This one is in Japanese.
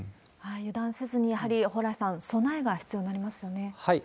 油断せずに、やはり蓬莱さん、備えが必要になりますよね。